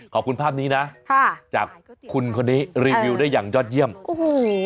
ขอบคุณภาพนี้นะค่ะจากคุณคนนี้รีวิวได้อย่างยอดเยี่ยมโอ้โห